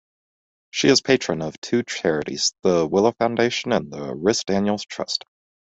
She is patron of two charities, The Willow Foundation and The Rhys Daniels Trust.